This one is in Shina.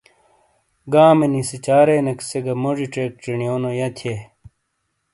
گامی نی سِیچارینیک سے گہ موجی چیک چینی یہہ تھیئے۔